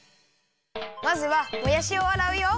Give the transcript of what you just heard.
まずはもやしをあらうよ。